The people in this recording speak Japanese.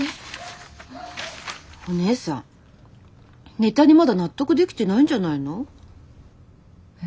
お姉さんネタにまだ納得できてないんじゃないの？え？